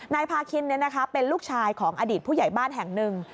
นายพาคินเป็นลูกชายของอดีตผู้ใหญ่บ้านแห่งหนึ่ง